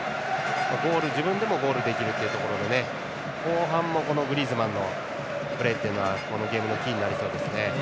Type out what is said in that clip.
自分でもゴールできるというところで後半もグリーズマンのプレーというのはこのゲームのキーになりそうですね。